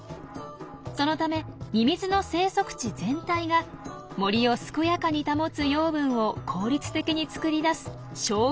そのためミミズの生息地全体が森を健やかに保つ養分を効率的に作り出す小宇宙になっているんですよ。